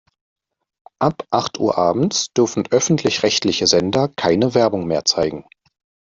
Ab acht Uhr abends dürfen öffentlich-rechtliche Sender keine Werbung mehr zeigen.